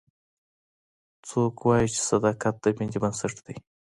څوک وایي چې صداقت د مینې بنسټ ده